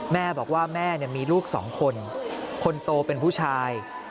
แม่บอกว่าแม่มีลูกสองคนคนโตเป็นผู้ชาย